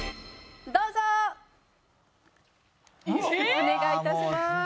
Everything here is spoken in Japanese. お願いいたします。